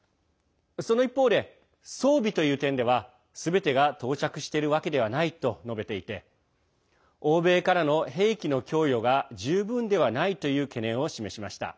その一方で、装備という点ではすべてが到着しているわけではないと述べていて欧米からの兵器の供与が十分ではないという懸念を示しました。